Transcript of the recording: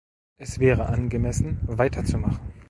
Es wäre angemessen, weiterzumachen.